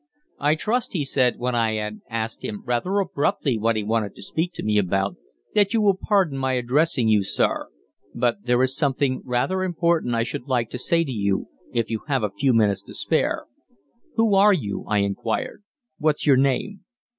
"I trust," he said, when I had asked him rather abruptly what he wanted to speak to me about, "that you will pardon my addressing you, sir, but there is something rather important I should like to say to you if you have a few minutes to spare." "Who are you?" I inquired. "What's your name?"